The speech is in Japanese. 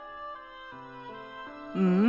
うん。